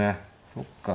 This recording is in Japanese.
そっか。